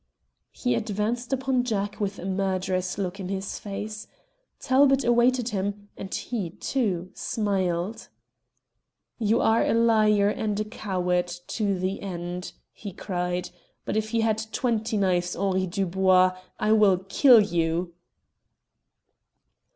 He advanced upon Jack with a murderous look in his face. Talbot awaited him, and he, too, smiled. "You are a liar and a coward to the end!" he cried. "But if you had twenty knives, Henri Dubois, I will kill you!"